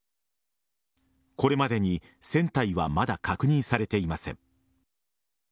これまでに船体はまだ確認されていません。